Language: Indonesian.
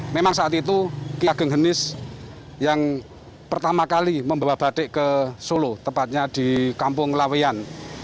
memang saat itu ki ageng henis yang pertama kali membawa batik ke solo tepatnya di kampung lawian